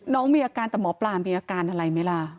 น้องมีอาการแต่หมอปลามีอาการอะไรไหมล่ะ